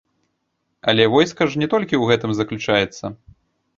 Але войска ж не толькі ў гэтым заключаецца.